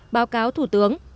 báo cáo thủ tướng